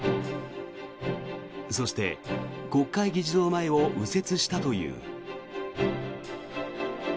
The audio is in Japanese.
そして国会議事堂前を右折したという。